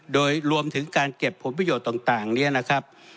โดยรวมถึงการเก็บผลประโยชน์ต่างนี้นะครับ